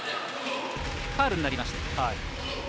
ファウルになりました。